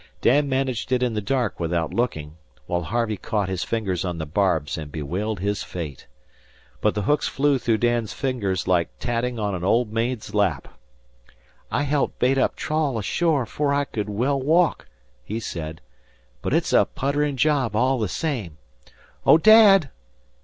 Dan managed it in the dark, without looking, while Harvey caught his fingers on the barbs and bewailed his fate. But the hooks flew through Dan's fingers like tatting on an old maid's lap. "I helped bait up trawl ashore 'fore I could well walk," he said. "But it's a putterin' job all the same. Oh, Dad!"